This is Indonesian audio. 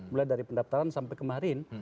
mulai dari pendaftaran sampai kemarin